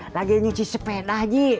lagi nyuci sepeda haji